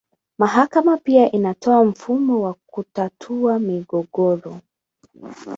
Mahakama pia inatoa mfumo wa kutatua migogoro.